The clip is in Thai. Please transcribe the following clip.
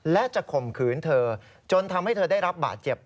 และจะข่มขืนเธอจนทำให้เธอได้รับบาดเจ็บ